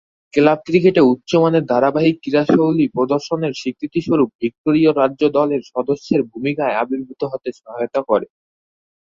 Club ক্রিকেটে উচ্চমানের ধারাবাহিক ক্রীড়াশৈলী প্রদর্শনের স্বীকৃতিস্বরূপ ভিক্টোরীয় রাজ্য দলের সদস্যের ভূমিকায় আবির্ভূত হতে সহায়তা করে।